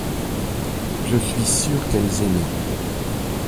Je suis sûr qu’elles aimaient.